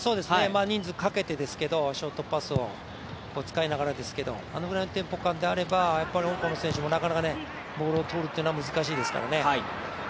人数かけてですけどショートパスを使いながらですがあのぐらいのテンポ感であれば香港の選手もなかなかボールをとるっていうのは難しいですからね。